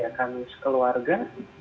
ya kami sekeluarga